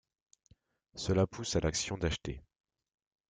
Cela pousse à l'action d'acheter.